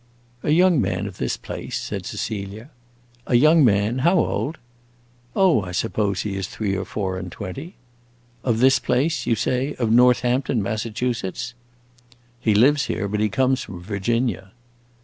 "A young man of this place," said Cecilia. "A young man? How old?" "I suppose he is three or four and twenty." "Of this place, you say of Northampton, Massachusetts?" "He lives here, but he comes from Virginia."